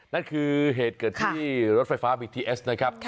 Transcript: นั่นคือเหตุเกิดที่รถไฟฟ้าบีทีเอสนะครับ